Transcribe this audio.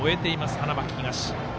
花巻東。